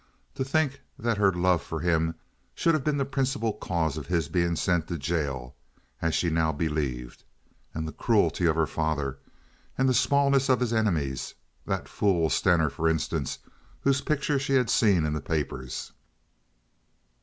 To think that her love for him should have been the principal cause of his being sent to jail, as she now believed. And the cruelty of her father! And the smallness of his enemies—that fool Stener, for instance, whose pictures she had seen in the papers.